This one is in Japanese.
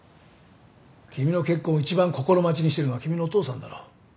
君の結婚を一番心待ちにしてるのは君のお父さんだろ。